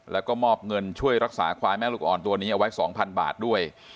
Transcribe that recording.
แล้วก็มอบเงินช่วยรักษาควายแม่ลูกอ่อนตัวนี้เอาไว้๒๐๐๐บาทด้วย